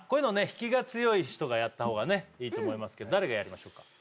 引きが強い人がやった方がねいいと思いますけど誰がやりましょうか？